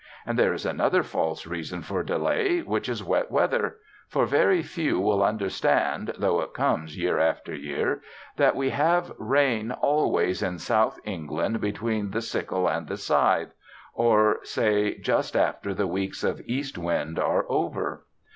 And there is another false reason for delay, which is wet weather. For very few will understand (though it comes year after year) that we have rain always in South England between the sickle and the scythe, or say just after the weeks of east wind are over.